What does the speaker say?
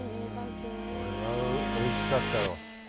これはおいしかったろう。